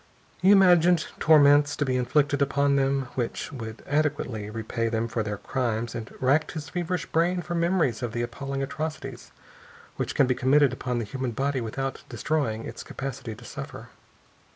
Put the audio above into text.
He imagined torments to be inflicted upon them which would adequately repay them for their crimes, and racked his feverish brain for memories of the appalling atrocities which can be committed upon the human body without destroying its capacity to suffer.